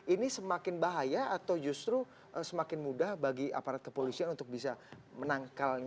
ini semakin bahaya atau justru semakin mudah bagi aparat kepolisian untuk bisa menangkal